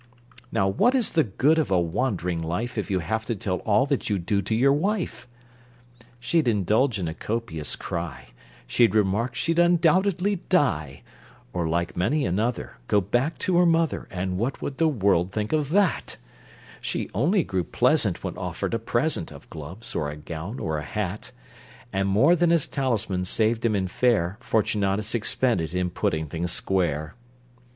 Now what is the good of a wandering life, If you have to tell all that you do to your wife? She'd indulge in a copious cry, She'd remark she'd undoubtedly die, Or, like many another, Go back to her mother, And what would the world think of that? She only grew pleasant, When offered a present Of gloves or a gown or a hat: And more than his talisman saved him in fare Fortunatus expended in putting things square!